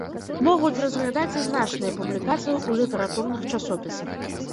Могуць разглядаць і значныя публікацыі ў літаратурных часопісах.